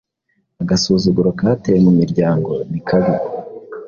Agasuzuguro kateye mumiryango nikabi